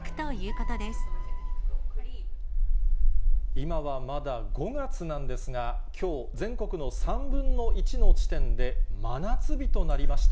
今はまだ５月なんですが、きょう、全国の３分の１の地点で、真夏日となりました。